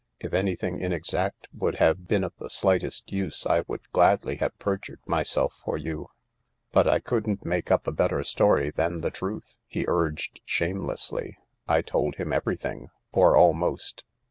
If anything inexact would have been of the slightest use I would gladly have perjured myself for you. But I couldn't make up a better story than the truth," he urged shamelessly. " I told him everything— or almost.